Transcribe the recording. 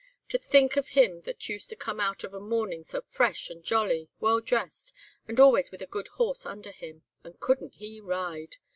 To think of him that used to come out of a morning so fresh and jolly, well dressed, and always with a good horse under him, and couldn't he ride?